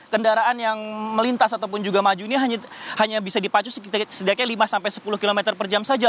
kendaraan yang melintas ataupun juga maju ini hanya bisa dipacu setidaknya lima sampai sepuluh km per jam saja